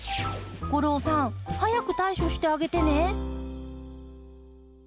吾郎さん早く対処してあげてね！